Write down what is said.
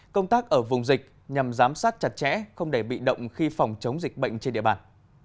công tác ở vùng dịch nhằm giám sát chặt chẽ không để bị động khi phòng chống dịch bệnh trên địa bàn